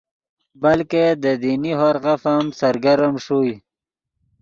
بلکہ دے دینی ہورغف ام سرگرم ݰوئے